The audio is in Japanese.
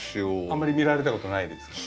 あんまり見られたことないですか？